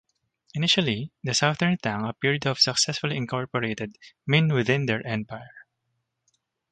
Initially the Southern Tang appeared to have successfully incorporated Min within their empire.